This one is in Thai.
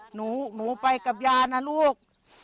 หนูไปกับยานะลูก